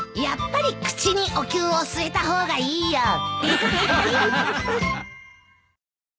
やっぱり口におきゅうを据えた方がいいよ。